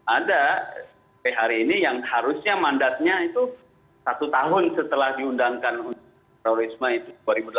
ada hari ini yang harusnya mandatnya itu satu tahun setelah diundangkan terorisme itu